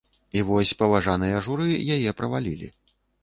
І вось паважаныя журы яе правалілі.